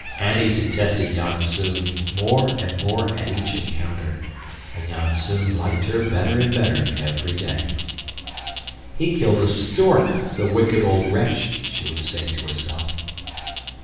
Annie detested Janzoon more and more at each encounter; and Janzoon liked her better and better every day. He killed a stork, the wicked old wretch! she would say to herself.